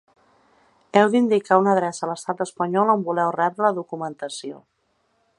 Heu d’indicar una adreça a l’estat espanyol on voleu rebre la documentació.